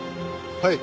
はい。